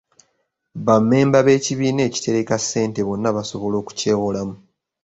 Bammemba b'ekibiina ekitereka ssente bonna basobola okukyewolamu.